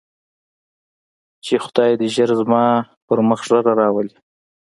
چې خداى دې ژر زما پر مخ ږيره راولي.